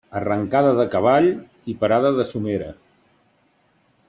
Arrancada de cavall i parada de somera.